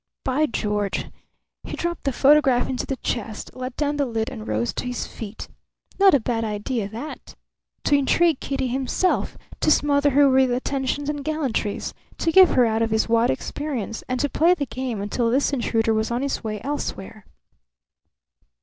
By George! He dropped the photograph into the chest, let down the lid, and rose to his feet. Not a bad idea, that. To intrigue Kitty himself, to smother her with attentions and gallantries, to give her out of his wide experience, and to play the game until this intruder was on his way elsewhere.